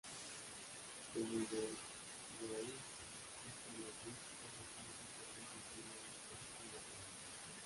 Como los Goa'uld ya están allí, eso significa que el Centinela esta inoperante.